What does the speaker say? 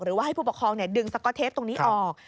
หรือว่าให้ผู้ปกครองดึงสก๊อตเทปตรงนี้ออก